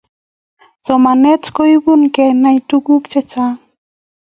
Somanet koipu kenai tukuk Che Chang